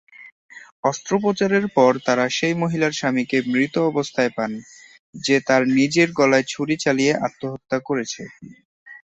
অস্ত্রোপচারের পর তারা সেই মহিলার স্বামীকে মৃত অবস্থায় পান, যে তার নিজের গলায় ছুরি চালিয়ে আত্মহত্যা করেছে।